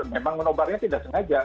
memang menobarnya tidak sengaja